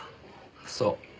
そう。